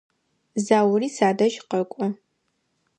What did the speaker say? Заури садэжь къэкӏо.